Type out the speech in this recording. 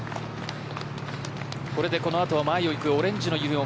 これでこの後は前をいくオレンジのユニホーム